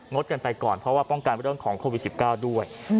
ดกันไปก่อนเพราะว่าป้องกันเรื่องของโควิด๑๙ด้วย